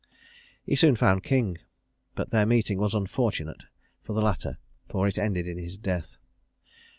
He soon found King; but their meeting was unfortunate for the latter, for it ended in his death.